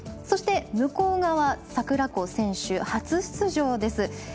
そして向川桜子選手、初出場です。